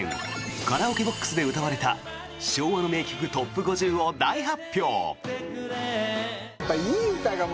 カラオケボックスで歌われた昭和の名曲トップ５０を大発表！